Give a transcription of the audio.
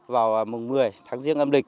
vào mùng một mươi tháng riêng âm lịch